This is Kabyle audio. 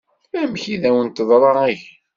Amek i d-awen-teḍṛa ihi?